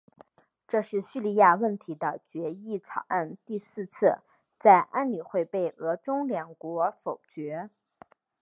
这是叙利亚问题的决议草案第四次在安理会被俄中两国否决。